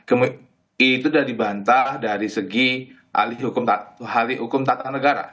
itu sudah dibantah dari segi hukum tata negara